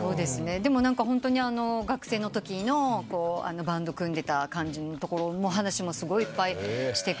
でもホントに学生のときのバンド組んでた感じのところの話もすごいいっぱいしてくださって。